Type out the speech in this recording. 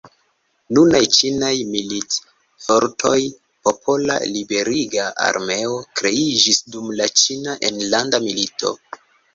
Nunaj Ĉinaj militfortoj, Popola Liberiga Armeo kreiĝis dum la Ĉina enlanda milito.